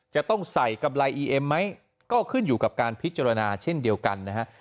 จะต้องใส่กำไรอีเอ็มไหมก็ขึ้นอยู่กับการพิจารณาเช่นเดียวกันนะฮะ